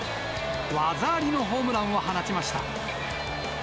技ありのホームランを放ちました。